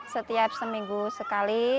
setiap seminggu sekali